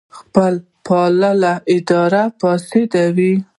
خپلوي پالل اداره فاسدوي.